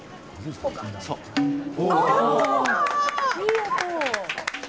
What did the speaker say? いい音。